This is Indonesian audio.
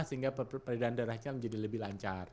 sehingga perbedaan darahnya menjadi lebih lancar